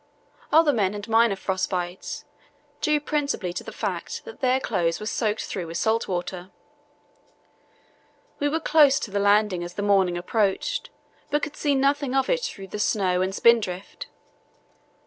Other men had minor frost bites, due principally to the fact that their clothes were soaked through with salt water.... We were close to the land as the morning approached, but could see nothing of it through the snow and spindrift.